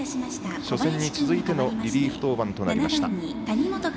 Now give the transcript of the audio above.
初戦に続いてのリリーフ登板となりました。